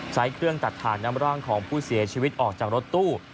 ใช้เครื่องตัดถ่านนำร่างของผู้เสียชีวิตออกจากรถตู้